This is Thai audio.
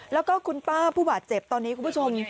แล้วก็คุณป้าผู้บาดเจ็บตอนนี้คุณผู้ชม